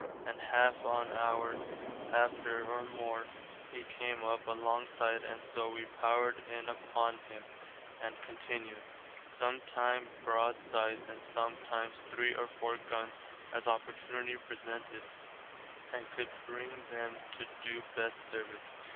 About half on hour after or more he came up alongside and soe wee powered in upon him and continued, some time broadsides and sometimes three or four gunns as opportunity presented and could bring them to doe best service.